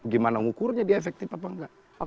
gimana ngukurnya dia efektif apa enggak